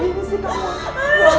tidak bu setidak menemukan